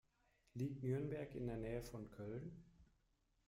Liegt Nürnberg in der Nähe von Köln?